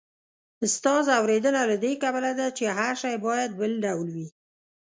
ستا ځوریدنه له دې کبله ده، چې هر شی باید بل ډول وي.